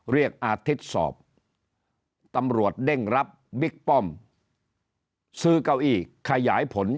เรียกอาทิตย์สอบตำรวจเด้งรับบิ๊กป้อมซื้อเก้าอี้ขยายผล